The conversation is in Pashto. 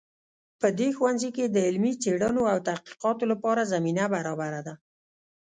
په دې ښوونځي کې د علمي څیړنو او تحقیقاتو لپاره زمینه برابره ده